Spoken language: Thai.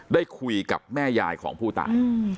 ได้คุยกับแม่ยายของผู้ตาย